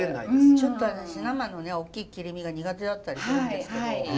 ちょっと私生のおっきい切り身が苦手だったりするんですけど。